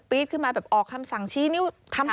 ปี๊ดขึ้นมาแบบออกคำสั่งชี้นิ้ว